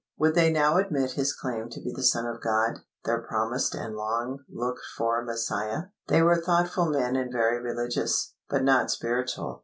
Would they now admit His claim to be the Son of God, their promised and long looked for Messiah? They were thoughtful men and very religious, but not spiritual.